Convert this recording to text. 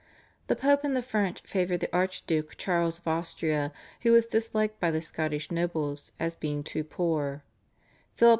The Pope and the French favoured the Archduke Charles of Austria who was disliked by the Scottish nobles as being too poor; Philip II.